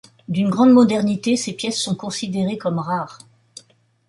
D'une grande modernité, ces pièces sont considérées comme rares.